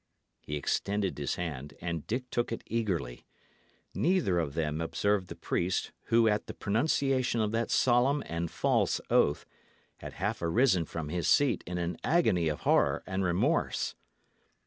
He extended his hand, and Dick took it eagerly. Neither of them observed the priest, who, at the pronunciation of that solemn and false oath, had half arisen from his seat in an agony of horror and remorse.